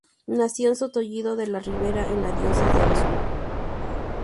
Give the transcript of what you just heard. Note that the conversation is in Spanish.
Nació en Sotillo de la Ribera, en la diócesis de Osma.